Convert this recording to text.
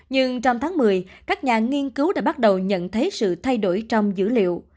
nhưng trong tháng một mươi các nhà nghiên cứu đã bắt đầu nhận thấy sự thay đổi trong dữ liệu